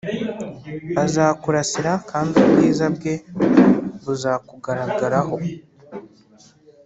Azakurasira kandi ubwiza bwe buzakugaragaraho